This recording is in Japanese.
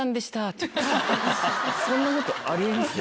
そんなことあり得ます？